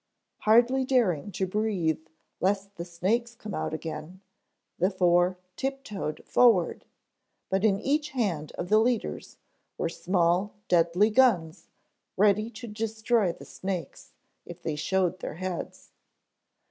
Hardly daring to breathe lest the snakes come out again, the four tiptoed forward, but in each hand of the leaders were small, deadly guns ready to destroy the snakes if they showed their heads.